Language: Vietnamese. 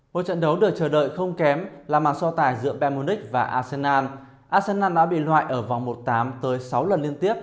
một trận đấu được chờ đợi không kém là màn so tải giữa bayern munich và arsenal arsenal đã bị loại ở vòng một tám tới sáu lần liên tiếp